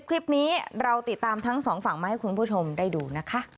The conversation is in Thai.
คลิปนี้เราติดตามทั้งสองฝั่งมาให้คุณผู้ชมได้ดูนะคะ